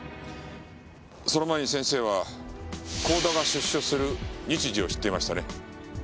その前に先生は甲田が出所する日時を知っていましたね？